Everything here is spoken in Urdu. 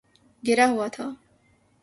گرا ہوا تھا